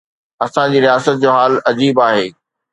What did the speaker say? اسان جي رياست جو حال عجيب آهي.